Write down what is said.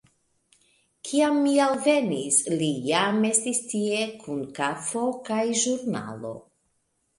Kiam mi alvenis, li jam estis tie, kun kafo kaj ĵurnalo.